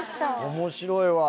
面白いわ。